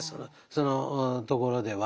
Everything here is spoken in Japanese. そのところでは。